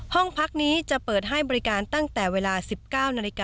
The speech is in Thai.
ห้องพักนี้จะเปิดให้บริการตั้งแต่เวลา๑๙นาฬิกา